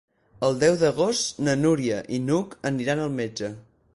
El deu d'agost na Núria i n'Hug aniran al metge.